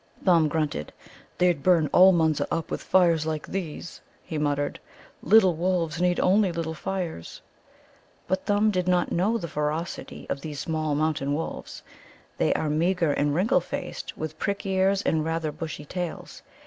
Thumb grunted. "They'd burn all Munza up with fires like these," he muttered. "Little wolves need only little fires." But Thumb did not know the ferocity of these small mountain wolves. They are meagre and wrinkle faced, with prick ears and rather bushy tails.